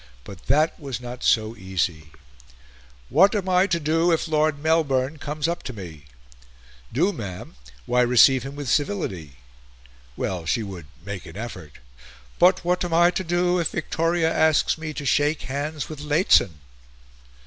But that was not so easy. "What am I to do if Lord Melbourne comes up to me?" "Do, ma'am? Why, receive him with civility." Well, she would make an effort... "But what am I to do if Victoria asks me to shake hands with Lehzen?"